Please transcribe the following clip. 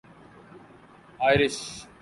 Irish